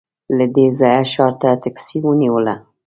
له دې ځايه ښار ته ټکسي ونیوله.